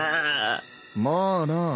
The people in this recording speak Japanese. まあな。